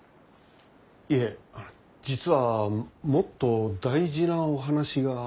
いえ実はもっと大事なお話が。